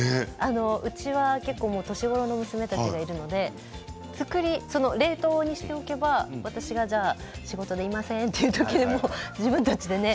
うちは結構、年頃の娘たちがいるので冷凍しておけば、私がじゃあ仕事でいませんという時でも自分たちでね